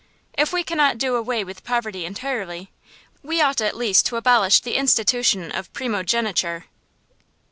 If we cannot do away with poverty entirely, we ought at least to abolish the institution of primogeniture.